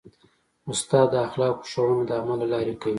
استاد د اخلاقو ښوونه د عمل له لارې کوي.